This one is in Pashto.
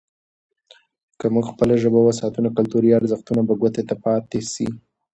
که موږ خپله ژبه وساتو، نو کلتوري ارزښتونه به ګوته ته پاتې سي.